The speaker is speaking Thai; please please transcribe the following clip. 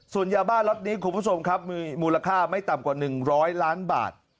ส่วนยาบ้าล็อตนี้คุณผู้ชมครับมีมูลค่าไม่ต่ำกว่า๑๐๐ล้านบาท